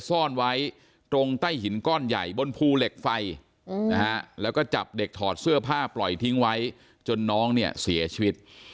ซ่อนไว้ตรงใต้หินก้อนใหญ่บนภูเหล็กไฟนะฮะแล้วก็จับเด็กถอดเสื้อผ้าปล่อยทิ้งไว้จนน้องเนี่ยเสียชีวิต